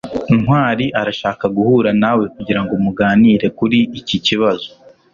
ntwali arashaka guhura nawe kugirango muganire kuri iki kibazo